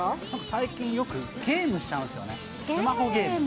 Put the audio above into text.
最近よくゲームしちゃうんですよね、スマホゲーム。